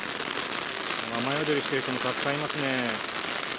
雨宿りしている人もたくさんいますね。